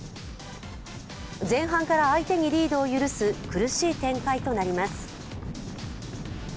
前半から相手にリードを許す苦しい展開となります。